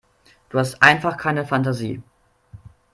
Du hast einfach keine Fantasie.